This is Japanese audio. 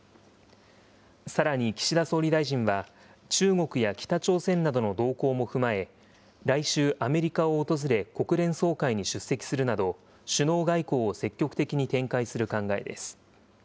さらに岸田総理大臣は、中国や北朝鮮などの動向も踏まえ、来週、アメリカを訪れ国連総会に出席するなど、首脳外交を積極的に展開する考えです。